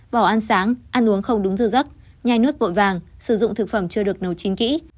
vỏ ăn sáng ăn uống không đúng dư giấc nhai nước vội vàng sử dụng thực phẩm chưa được nấu chín kỹ